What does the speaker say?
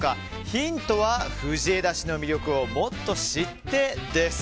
ヒントは「藤枝市の魅力をもっと知ってえ」です。